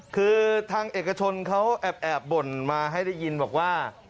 คือทางเอกชนเขาแอบบ่นมาให้ได้ยินบอกว่า